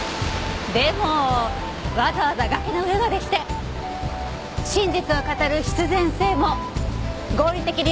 でもわざわざ崖の上まで来て真実を語る必然性も合理的理由もないと思わない？